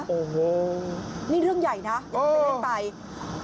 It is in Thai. โอ้โฮนี่เรื่องใหญ่นะยังไม่เล่นไป